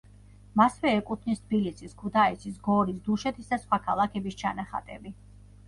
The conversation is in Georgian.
მასვე ეკუთვნის თბილისის, ქუთაისის, გორის, დუშეთის, და სხვა ქალაქების ჩანახატები.